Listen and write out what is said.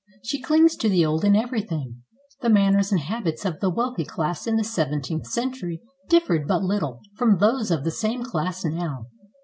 She clings to the old in everything. The manners and habits of the wealthy class in the seventeenth century differed but little from those of the same class now.